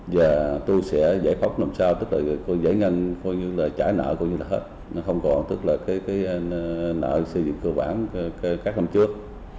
giờ tôi sẽ giải phóng làm sao tức là giải ngân trả nợ hết không còn nợ xây dựng cơ bản các năm trước